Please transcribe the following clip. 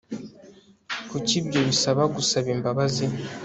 Kuki ibyo bisaba gusaba imbabazi